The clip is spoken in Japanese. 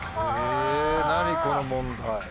へぇ何この問題。